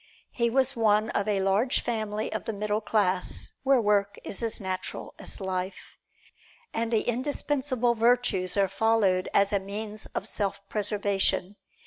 He was one of a large family of the middle class, where work is as natural as life, and the indispensable virtues are followed as a means of self preservation.